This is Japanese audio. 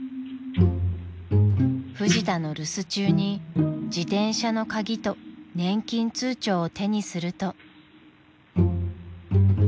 ［フジタの留守中に自転車の鍵と年金通帳を手にすると］